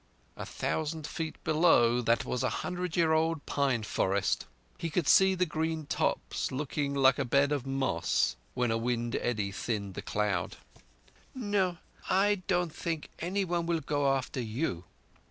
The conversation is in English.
A thousand feet below that was a hundred year old pine forest. He could see the green tops looking like a bed of moss when a wind eddy thinned the cloud. "No! I don't think any one will go after _you!